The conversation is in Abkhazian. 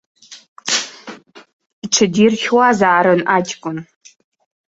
Иҽыдиршьуазаарын аҷкәын!